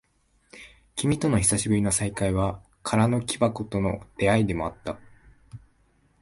君との久しぶりの再会は、空の木箱との出会いでもあった。